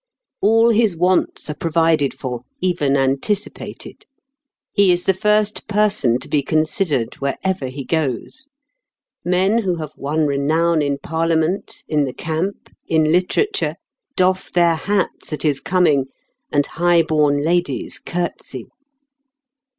All his wants are provided for, even anticipated. He is the first person to be considered wherever he goes. Men who have won renown in Parliament, in the camp, in literature, doff their hats at his coming, and high born ladies curtsey.